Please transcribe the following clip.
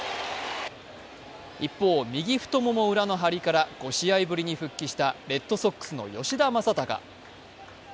一方、右太もも裏の張りから５試合ぶりに復帰したレッドソックスの吉田正尚。